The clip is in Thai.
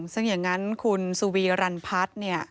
ซึ่งอย่างนั้นคุณสุวีรันพัฒน์เนี่ย